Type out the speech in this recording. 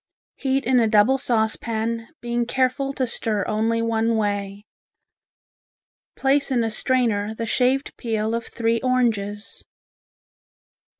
Heat in a double saucepan, being careful to stir only one way. Place in a strainer the shaved peel of three oranges.